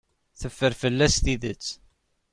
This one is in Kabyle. Teffer fell-as tidet.